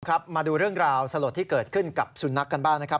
มาดูเรื่องราวสลดที่เกิดขึ้นกับสุนัขกันบ้างนะครับ